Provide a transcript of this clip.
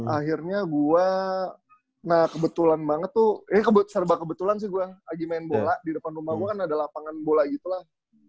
akhirnya gue nah kebetulan banget tuh ini serba kebetulan sih gue lagi main bola di depan rumah gue kan ada lapangan bola gitu lah